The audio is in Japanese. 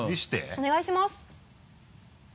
お願いします。